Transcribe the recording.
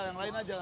yang lain aja